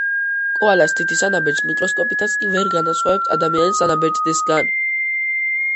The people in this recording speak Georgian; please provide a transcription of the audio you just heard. კოალას თითის ანაბეჭდს მიკროსკოპითაც კი ვერ განასხვავებთ ადამიანის ანაბეჭდისგან.